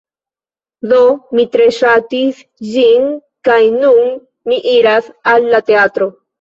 Do, mi tre ŝatis ĝin kaj nun ni iras al la teatro